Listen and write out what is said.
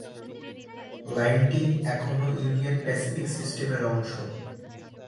লাইনটি এখনও Union Pacific সিস্টেমের অংশ।